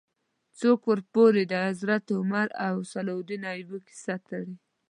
څوک ورپورې د حضرت عمر او صلاح الدین ایوبي کیسه تړي.